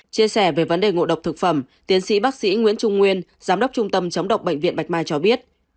chia sẻ về vấn đề ngộ độc thực phẩm tiến sĩ bác sĩ nguyễn trung nguyên giám đốc trung tâm chống độc bệnh viện bạch mai cho biết